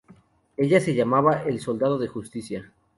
Ella se llamaba el soldado de Justicia.